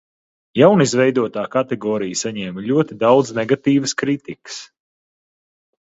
Jaunizveidotā kategorija saņēma ļoti daudz negatīvas kritikas.